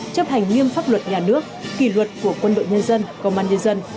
chấp hành nghiêm pháp luật nhà nước kỷ luật của quân đội nhân dân công an nhân dân